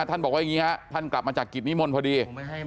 บอกว่าอย่างนี้ฮะท่านกลับมาจากกิจนิมนต์พอดี